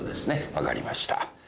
分かりました。